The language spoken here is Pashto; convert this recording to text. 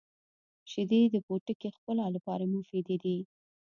• شیدې د پوټکي ښکلا لپاره مفیدې دي.